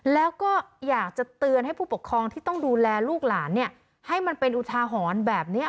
แล้วก็อยากจะเตือนให้ผู้ปกครองที่ต้องดูแลลูกหลานเนี่ยให้มันเป็นอุทาหรณ์แบบนี้